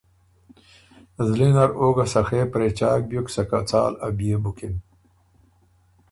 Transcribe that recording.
زلی نر او ګه سخې پرېچاک بیوک سکه څال ا بيې بُکِن۔